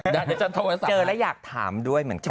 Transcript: เดี๋ยวฉันโทรศัพท์เจอแล้วอยากถามด้วยเหมือนกัน